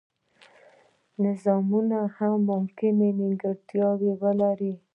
نظامونه هم ممکن نیمګړتیاوې ولري.